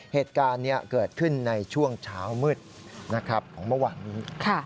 เหตุการณ์เกิดขึ้นในช่วงเช้ามืดของเมื่อวานนี้